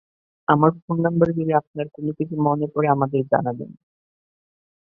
আমার phone number যদি আপনার কোনকিছু মনে পড়ে আমাদের জানাবেন।